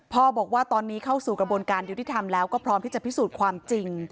บอกว่าตอนนี้เข้าสู่กระบวนการยุติธรรมแล้วก็พร้อมที่จะพิสูจน์ความจริง